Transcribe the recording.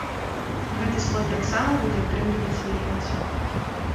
Гэты слой таксама будзе ўтрымліваць вільгаць.